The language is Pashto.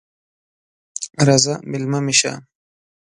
راځه مېلمه مې سه!